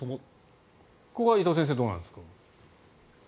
ここは伊藤先生なんですか。